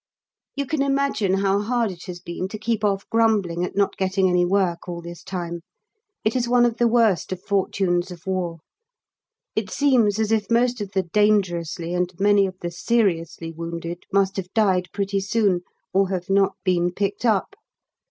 You can imagine how hard it has been to keep off grumbling at not getting any work all this time; it is one of the worst of fortunes of war. It seems as if most of the "dangerously" and many of the "seriously" wounded must have died pretty soon, or have not been picked up.